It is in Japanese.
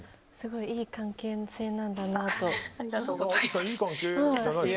すごいいい関係性なんだなと。